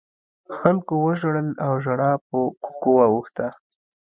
خلکو وژړل او ژړا په کوکو واوښته.